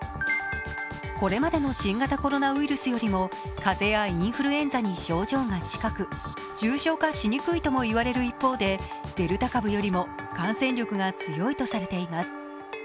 これまでの新型コロナウイルスよりも風邪やインフルエンザに症状が近く重症化しにくいともいわれる一方で、デルタ株よりも感染力が強いとされています。